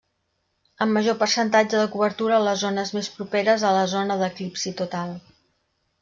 Amb major percentatge de cobertura a les zones més properes a la zona d'eclipsi total.